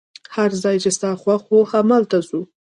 هر ځای چي ستا خوښ وو، همالته ځو.